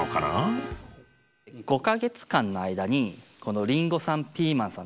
５か月間の間にこのりんごさんピーマンさん